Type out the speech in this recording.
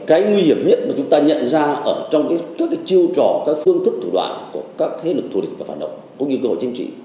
cái nguy hiểm nhất mà chúng ta nhận ra ở trong các chiêu trò các phương thức thủ đoạn của các thế lực thù địch và phản động cũng như cơ hội chính trị